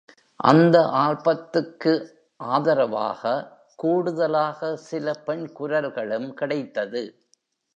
அந்த ஆல்பத்துக்கு ஆதரவாக கூடுதலாக சில பெண் குரல்களும் கிடைத்தது.